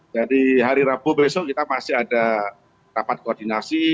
jadi hari rabu besok kita masih ada rapat koordinasi